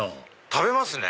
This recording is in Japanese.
食べますね！